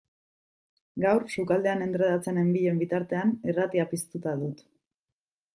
Gaur, sukaldean endredatzen nenbilen bitartean, irratia piztuta dut.